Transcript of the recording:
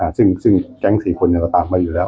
ฮซึ่งแก๊งสี่คนเนี่ยไปตามไปอยู่แล้ว